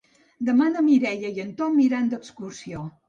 Demà na Mireia i en Tom iran d'excursió.